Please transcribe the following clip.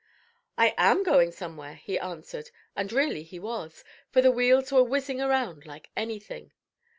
"I am going somewhere," he answered, and really he was, for the wheels were whizzing around like anything.